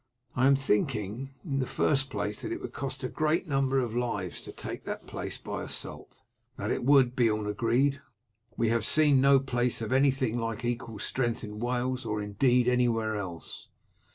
"I am thinking, in the first place, that it would cost a great number of lives to take that place by assault." "That it would," Beorn agreed. "We have seen no place of anything like equal strength in Wales, or indeed anywhere else."